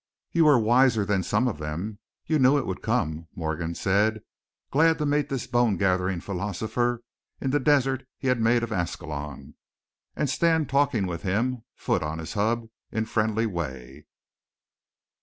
"You were wiser than some of them, you knew it would come," Morgan said, glad to meet this bone gathering philosopher in the desert he had made of Ascalon, and stand talking with him, foot on his hub in friendly way.